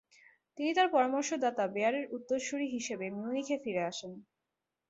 তিনি তার পরামর্শদাতা বেয়ারের উত্তরসূরি হিসেবে মিউনিখে ফিরে আসেন।